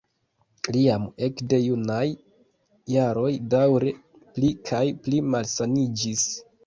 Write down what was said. Li jam ekde junaj jaroj daŭre pli kaj pli malsaniĝis.